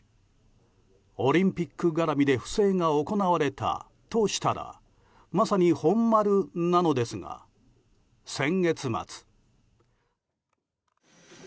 オリンピック絡みで不正が行われたとしたらまさに本丸なのですが先月末。